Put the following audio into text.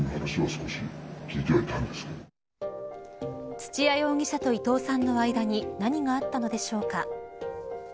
土屋容疑者と伊藤さんの間に何があったのでしょうか。